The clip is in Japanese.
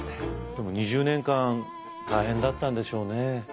でも２０年間大変だったんでしょうねえ。